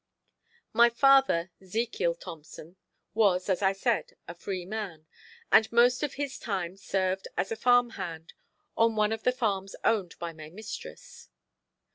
My father, Zekiel Thompson, was, as I said, a free man, and most of his time served as a farm hand on one of the farms owned by my mistress.